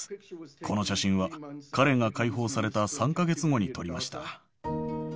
この写真は、彼が解放された３か月後に撮りました。